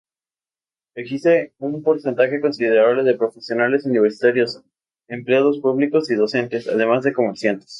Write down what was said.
Existen un porcentaje considerable de profesionales universitarios, empleados públicos y docentes, además de comerciantes.